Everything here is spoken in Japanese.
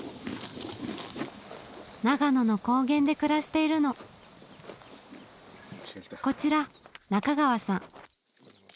長野の高原で暮らしているのこちら中川さん